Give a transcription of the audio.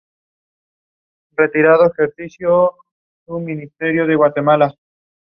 The intuition behind the test is as follows.